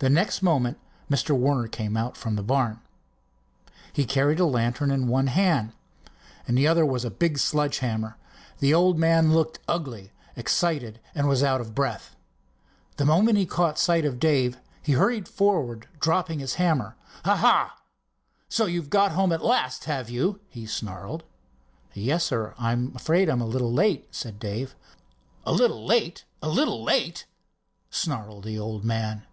The next moment Mr. Warner came out from the barn. He carried a lantern in one hand. In the other was a big sledge hammer. The old man looked ugly, excited and was out of breath. The moment he caught sight of Dave he hurried forward, dropping the hammer. "Aha! so you've got home at last, have you?" he snarled. "Yes, sir. I'm afraid I am a little late," said Dave. "A little late—a little late!" snarled the old man.